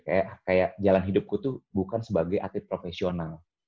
kayak jalan hidupku tuh bukan sebagai atlet profesional